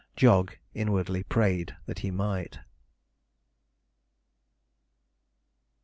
Jog inwardly prayed that he might.